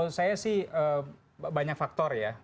menurut saya sih banyak faktor ya